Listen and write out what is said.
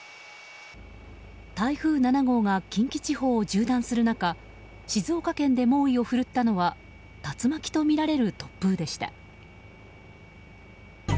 台風７号が近畿地方を縦断する中静岡県で猛威を振るったのは竜巻とみられる突風でした。